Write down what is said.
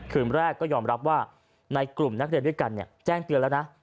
คืนแรกก็ยอมรับว่าในกลุ่มนักเรียนด้วยกันแจ้งเตือนแล้วนะ